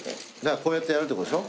こうやってやるってことでしょ？